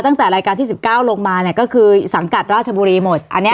ตั้งแต่รายการที่๑๙ลงมาเนี่ยก็คือสังกัดราชบุรีหมดอันนี้